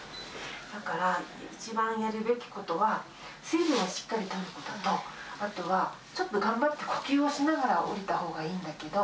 だから一番やるべきことは、水分をしっかりとることと、あとは、ちょっと頑張って呼吸をしながら下りたほうがいいんだけど。